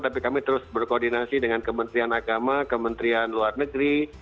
tapi kami terus berkoordinasi dengan kementerian agama kementerian luar negeri